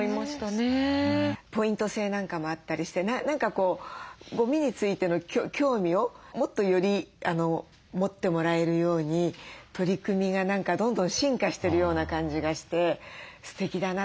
ポイント制なんかもあったりして何かゴミについての興味をもっとより持ってもらえるように取り組みがどんどん進化してるような感じがしてすてきだなと。